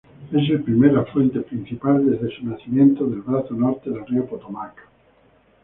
Es el primer afluente principal desde su nacimiento del brazo norte del río Potomac.